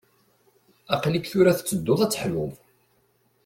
Aql-ik tura tettedduḍ ad teḥluḍ.